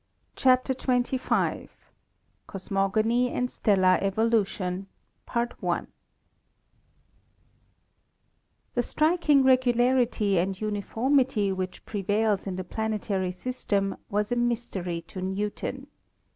CHAPTER XXV COSMOGONY AND STELLAR EVOLUTION The striking regularity and uniformity which prevails in the planetary system was a mystery to Newton.